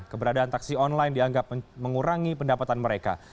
keberadaan taksi online dianggap mengurangi pendapatan mereka